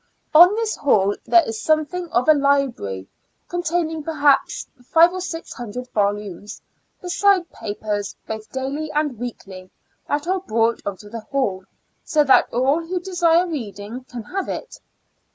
On this hall there is something of a library, containing, perhaps, five or six hundred volumes, besides papers, both daily and weekly, that are brought on to the hall; so that all who desire reading can have it.